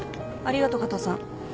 ありがとう加藤さん。